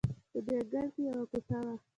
په دې انګړ کې یوه کوټه وه.